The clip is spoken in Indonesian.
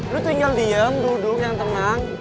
lu tinggal diem duduk yang tenang